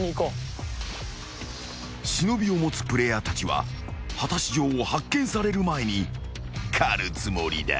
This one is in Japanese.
［忍を持つプレイヤーたちは果たし状を発見される前に狩るつもりだ］